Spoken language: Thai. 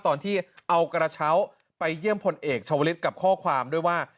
ตอนที่เอากระเช้าไปเยี่ยมพลเอกชาวลิศกับข้อความด้วยว่า